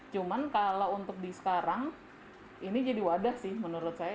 cuman kalau untuk di sekarang ini jadi wadah sih menurut saya